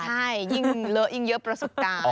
ใช่ยิ่งเลอะยิ่งเยอะประสบการณ์